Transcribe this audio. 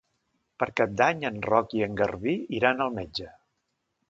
Per Cap d'Any en Roc i en Garbí iran al metge.